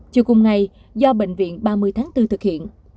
chiều cùng ngày do bệnh viện ba mươi tháng bốn thực hiện